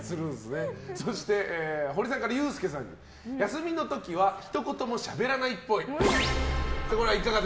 そしてホリさんからユースケさんに休みの時はひと言もしゃべらないっぽい。